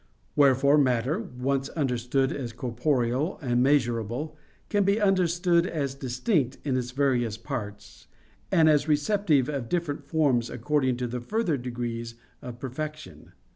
Wherefore matter, once understood as corporeal and measurable, can be understood as distinct in its various parts, and as receptive of different forms according to the further degrees of perfection.